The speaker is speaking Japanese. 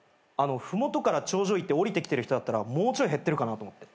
麓から頂上行って下りてきてる人だったらもうちょい減ってるかなと思って。